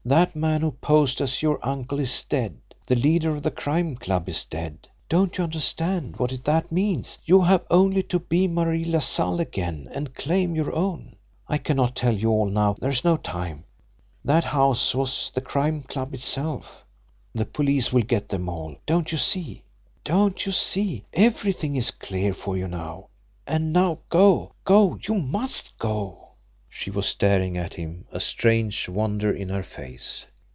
That man who posed as your uncle is dead the leader of the Crime Club is dead. Don't you understand what that means! You have only to be Marie LaSalle again and claim your own. I cannot tell you all now there's no time. That house was the Crime Club itself. The police will get them all. Don't you see! Don't you see! Everything is clear for you now and now go! Go you must go!" She was staring at him, a strange wonder in her face.